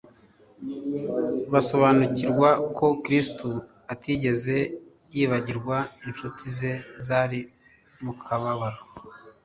Basobanukirwa ko Kristo atigeze yibagirwa incuti ze zari mu kababaro.